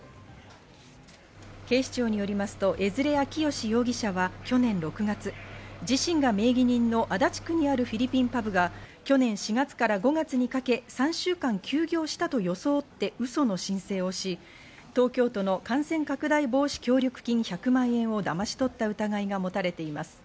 警視庁によりますと、江連晃祥容疑者は去年６月、自身が名義人の足立区にあるフィリピンパブが去年４月から５月にかけ、３週間休業したと装って、うその申請をし、東京都の感染拡大防止協力金１００万円をだまし取った疑いがもたれています。